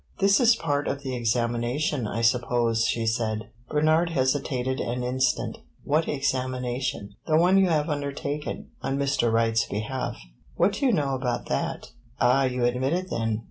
"This is part of the examination, I suppose," she said. Bernard hesitated an instant. "What examination?" "The one you have undertaken on Mr. Wright's behalf." "What do you know about that?" "Ah, you admit it then?"